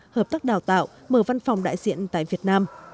hợp tác đào tạo mở văn phòng đại diện tại việt nam